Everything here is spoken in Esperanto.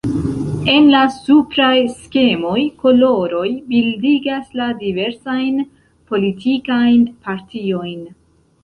En la supraj skemoj, koloroj bildigas la diversajn politikajn partiojn.